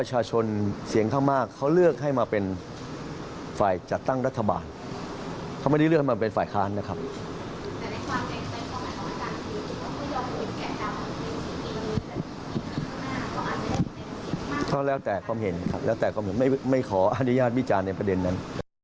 ก็แล้วแต่ความเห็นไม่ขออนุญาตพี่จานในประเด็นนั้น